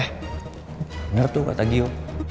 bener tuh kata gio